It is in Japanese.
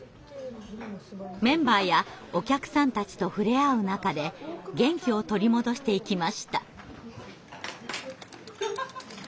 メンバーやお客さんたちと触れ合う中で元気を取り戻していきました。